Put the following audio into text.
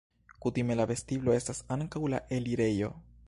Kutime la vestiblo estas ankaŭ la elirejo.